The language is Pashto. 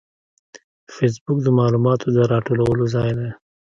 فېسبوک د معلوماتو د راټولولو ځای دی